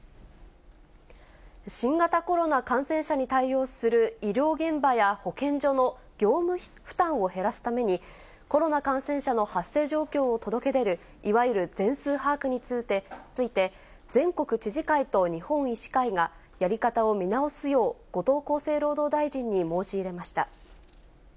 新型コロナ感染者に対応する医療現場や保健所の業務負担を減らすために、コロナ感染者の発生状況を届け出るいわゆる全数把握について、全国知事会と日本医師会が、やり方を見直すよう、後藤厚生労働大臣に申し入れました。